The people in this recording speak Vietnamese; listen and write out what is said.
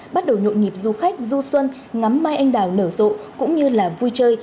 bắt đầu nhộn nhịp du khách du xuân ngắm mai anh đào nở rộ cũng như là vui chơi